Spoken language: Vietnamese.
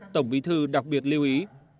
tổng bí thư đặc biệt lưu ý